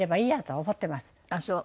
ああそう。